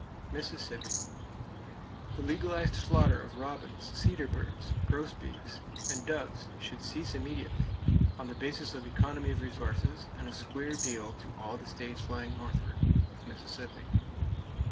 Mississippi: The legalized slaughter of robins, cedar birds, grosbeaks and doves should cease immediately, on the basis of economy of resources and a square deal to all the states lying northward of Mississippi.